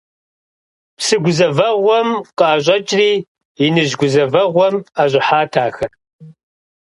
Псы гузэвэгъуэм къыӀэщӀэкӀри иныжь гузэвэгъуэм ӀэщӀыхьат ахэр.